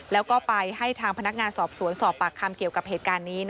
แล้วก็ไปให้ทางพนักงานสอบสวนสอบปากคำเกี่ยวกับเหตุการณ์นี้